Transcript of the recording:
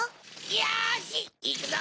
よしいくぞ！